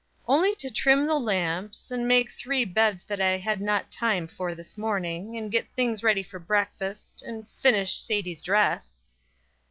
"Only to trim the lamps, and make three beds that I had not time for this morning, and get things ready for breakfast, and finish Sadie's dress."